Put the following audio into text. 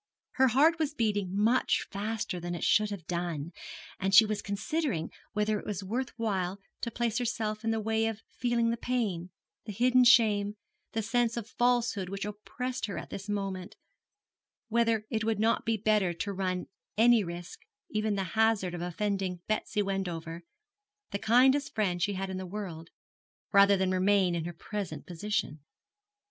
Her heart was beating much faster than it should have done, and she was considering whether it was worth while to place herself in the way of feeling the pain, the hidden shame, the sense of falsehood which oppressed her at this moment; whether it would not be better to run any risk, even the hazard of offending Betsy Wendover, the kindest friend she had in the world, rather than remain in her present position.